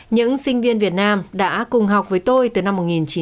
những sinh viên việt nam đã cùng học với tôi từ năm một nghìn chín trăm chín mươi